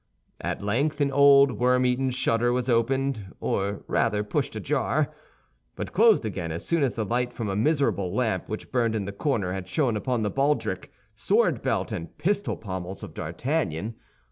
At length an old, worm eaten shutter was opened, or rather pushed ajar, but closed again as soon as the light from a miserable lamp which burned in the corner had shone upon the baldric, sword belt, and pistol pommels of D'Artagnan.